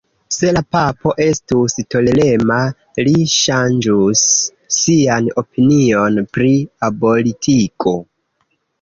Se la papo estus tolerema, li ŝanĝus sian opinion pri abortigo.